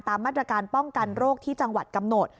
มาตรการป้องกันโรคที่จังหวัดกำหนด